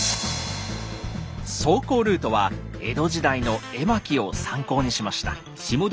走行ルートは江戸時代の絵巻を参考にしました。